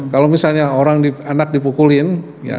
kalau misalnya orang anak dipukulin